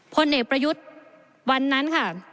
พลเอกประยุทธ์วันนั้นค่ะ